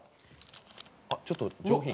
あっちょっと上品。